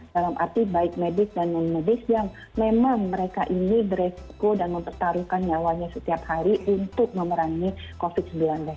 dalam arti baik medis dan non medis yang memang mereka ini beresiko dan mempertaruhkan nyawanya setiap hari untuk memerangi covid sembilan belas